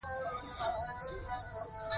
د امویانو پر ضد ځواک ګټه واخلي